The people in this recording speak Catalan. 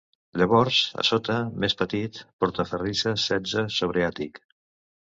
Llavors, a sota, més petit, «Portaferrissa, setze, sobreàtic».